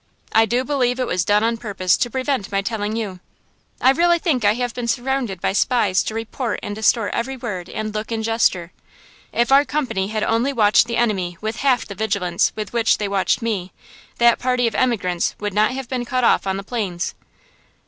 I do believe it was done on purpose to prevent my telling you. I really think I have been surrounded by spies to report and distort every word and look and gesture. If our company had only watched the enemy with half the vigilance with which they watched me, that party of emigrants would not have been cut off on the plains."